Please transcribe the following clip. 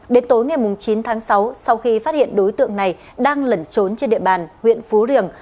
đến tối ngày chín tháng sáu sau khi phát hiện đối tượng này đang lẩn trốn trên địa bàn huyện phú riềng